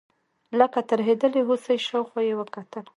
لکه ترهېدلې هوسۍ شاوخوا یې وکتل.